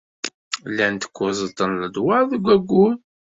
Llant kuẓet n ledwaṛ deg wayyur.